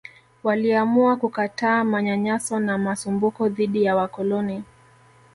Waliamua kukataa manyanyaso na masumbuko dhidi ya wakoloni